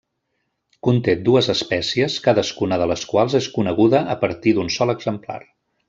Conté dues espècies, cadascuna de les quals és coneguda a partir d'un sol exemplar.